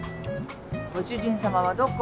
ご主人様はどこ？